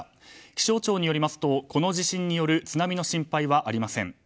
気象庁によりますとこの地震による津波の心配はありません。